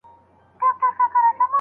د احنافو نظر د مکره په اړه څه دی؟